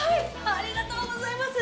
ありがとうございます！